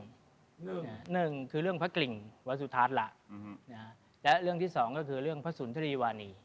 หนึ่งคือเรื่องพระกริ่งวัดสุทัศน์ล่ะและเรื่องที่สองก็คือเรื่องพระสุนทรีวานี